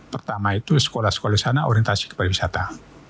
pertama itu sekolah sekolah di sana orientasi kepada wisata